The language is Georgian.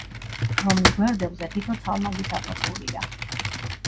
რომლის გვერდებზე თითო ცალმაგი სათოფურია.